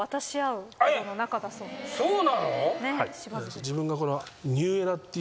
そうなの？